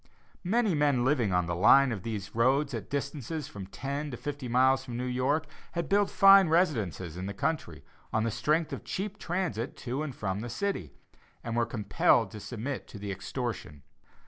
Many men living on the line of these roads at distances of from ten to fifty miles from New York, had built fine residences in the country, on the strength of cheap transit to and from the city, and were compelled to submit to the extortion.